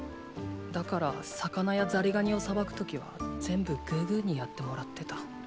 だから魚やザリガニをさばく時は全部グーグーにやってもらってた。